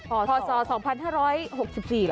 พอศ๒๕๖๔หรอ